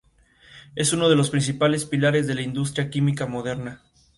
Es uno de los principales pilares de la industria química moderna.